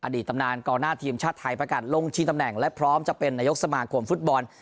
ตำนานกองหน้าทีมชาติไทยประกาศลงชิงตำแหน่งและพร้อมจะเป็นนายกสมาคมฟุตบอล